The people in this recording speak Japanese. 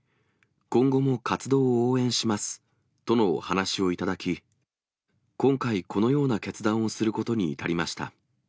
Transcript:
今後も活動を応援しますとのお話を頂き、今回、このような決断をすることに至りました。